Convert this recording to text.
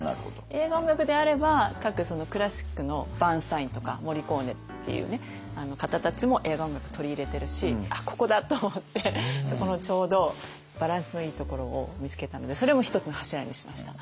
映画音楽であれば各クラシックのバーンスタインとかモリコーネっていう方たちも映画音楽取り入れてるしここだ！と思ってそこのちょうどバランスのいいところを見つけたのでそれも一つの柱にしました。